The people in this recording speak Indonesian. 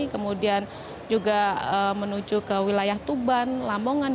kemudian juga menuju ke wilayah tuban lamongan